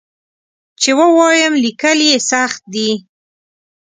چې ووایم لیکل یې سخت دي.